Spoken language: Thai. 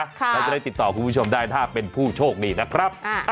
เราจะได้ติดต่อคุณผู้ชมได้ถ้าเป็นผู้โชคดีนะครับ